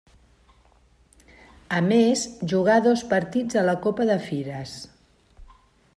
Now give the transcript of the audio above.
A més jugà dos partits a la Copa de Fires.